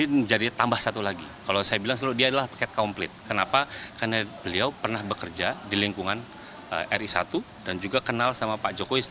pria yang lahir di tni angkatan darat memang bisa dibilang lengkap